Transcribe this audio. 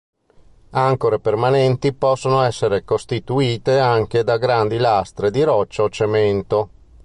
Ancore permanenti possono essere costituite anche da grandi lastre di roccia o cemento.